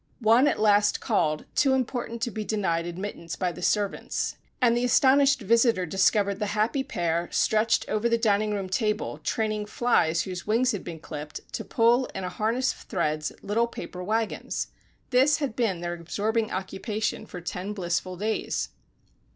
One at last called, too important to be denied admittance by the servants, and the astonished visitor discovered the happy pair stretched over the dining room table, training flies whose wings had been clipped, to pull, in a harness of threads, little paper wagons! This had been their absorbing occupation for ten blissful days!